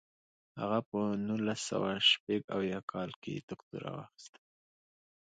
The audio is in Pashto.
هغه په نولس سوه شپږ اویا کال کې دوکتورا واخیسته.